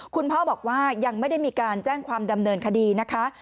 คุณพ่อบอกว่ายังไม่ได้มีการแจ้งความดำเนินคดีนะคะ